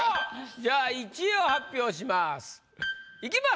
じゃあ１位を発表します。